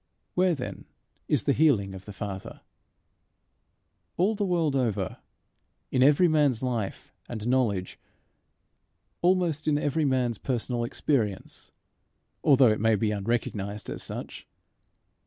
Where, then, is the healing of the Father? All the world over, in every man's life and knowledge, almost in every man's personal experience, although it may be unrecognized as such.